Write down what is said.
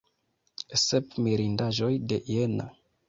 Sep mirindaĵoj de Jena.